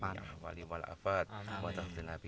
jangan lupa untuk berlangganan